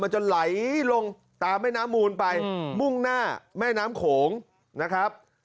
จะไหลลงตามแม่น้ำมูลไปมุ่งหน้าแม่น้ำโขงนะครับ